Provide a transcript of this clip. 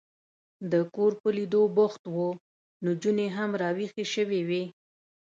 د کور په لیدو بوخت و، نجونې هم را وېښې شوې وې.